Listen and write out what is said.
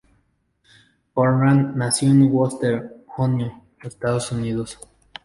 Conrad nació en Wooster, Ohio, Estados Unidos.